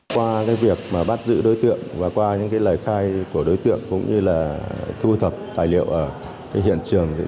qua việc bắt giữ đối tượng và qua những lời khai của đối tượng cũng như là thu thập tài liệu ở hiện trường